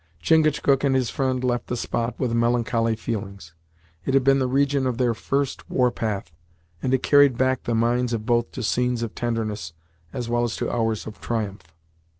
Chingachgook and his friend left the spot with melancholy feelings. It had been the region of their First War Path, and it carried back the minds of both to scenes of tenderness, as well as to hours of triumph.